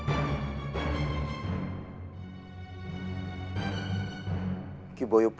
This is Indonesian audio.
aku akan membakar rumahmu